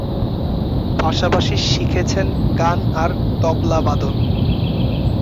পাশাপাশি শিখেছেন গান আর তবলাবাদন।